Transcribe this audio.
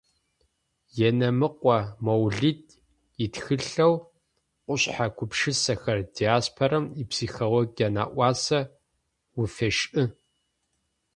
Енэмыкъо Моулид итхылъэу «Къушъхьэ гупшысэхэр» диаспорэм ипсихологие нэӏуасэ уфешӏы.